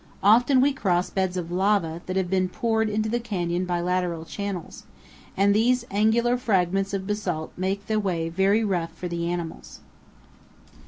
Often we cross beds of lava, that have been poured into the canyon by lateral channels, and these angular fragments of basalt make the way very rough for the animals.